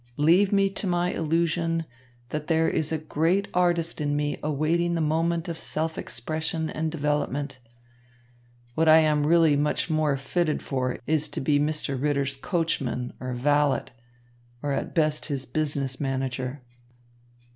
Leave me to my illusion, that there is a great artist in me awaiting the moment of self expression and development. What I am really much more fitted for is to be Mr. Ritter's coachman, or valet, or at best his business manager."